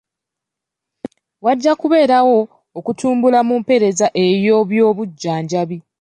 Wajja kubeerawo okutumbula mu mpeereza y'ebyobujjanjabi.